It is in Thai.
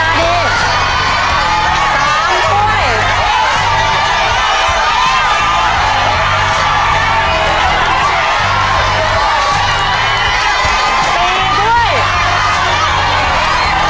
ครึ่งทางแล้วครับ